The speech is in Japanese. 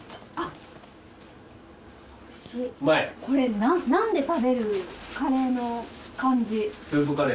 これナンで食べるカレーの感じ。